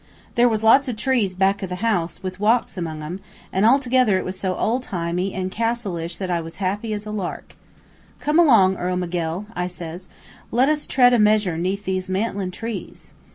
There was lots of trees back of the house, with walks among 'em, an' altogether it was so ole timey an' castleish that I was as happy as a lark. "'Come along, Earl Miguel,' I says; 'let us tread a measure 'neath these mantlin' trees.'